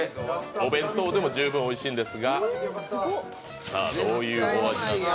お弁当でも十分おいしいんですが、さあ、どういうお味なのか？